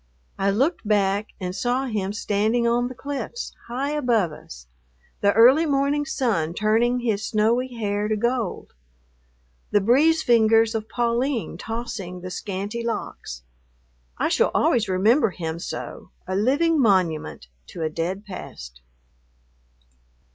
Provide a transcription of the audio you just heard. I looked back and saw him standing on the cliffs, high above us, the early morning sun turning his snowy hair to gold, the breeze fingers of Pauline tossing the scanty locks. I shall always remember him so, a living monument to a dead past.